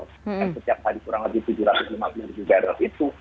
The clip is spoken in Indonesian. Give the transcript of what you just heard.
dan setiap hari kurang lebih tujuh ratus lima puluh ribu barrel itu